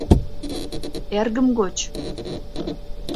— Эргым гоч.